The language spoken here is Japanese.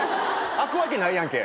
開くわけないやんけ。